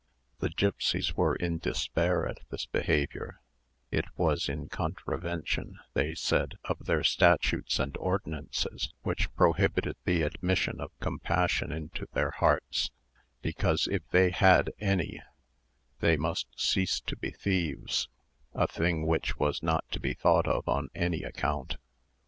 The gipsies were in despair at this behavior: it was in contravention, they said, of their statutes and ordinances, which prohibited the admission of compassion into their hearts; because if they had any they must cease to be thieves,—a thing which was not to be thought of on any account.